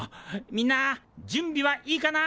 みんな準備はいいかな？